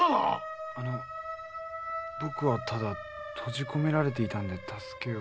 僕はただ閉じ込められていたんで助けを。